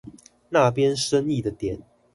那邊生意的點